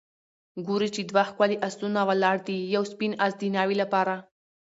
ګورو چې دوه ښکلي آسونه ولاړ دي ، یو سپین آس د ناوې لپاره